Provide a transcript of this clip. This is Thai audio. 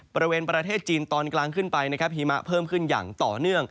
บริเวณประเทศจีนตอนกลางขึ้นไปนะครับหิมะเพิ่มขึ้นอย่างต่อเนื่อง